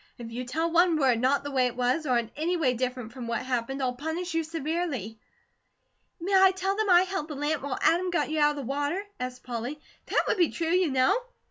If you tell one word not the way it was, or in any way different from what happened, I'll punish you severely." "May I tell them I held the lamp while Adam got you out of the water?" asked Polly. "That would be true, you know."